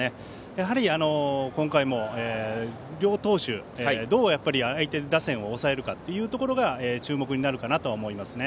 やはり今回も両投手どう相手打線を抑えるかが注目になるかなと思います。